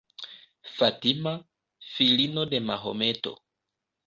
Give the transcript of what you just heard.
Fatima, filino de Mahometo.